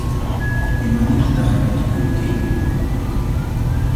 ¿Imanirtaq llakikunki?